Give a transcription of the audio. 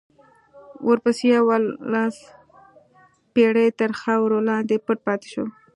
ورپسې یوولس پېړۍ تر خاورو لاندې پټ پاتې شو.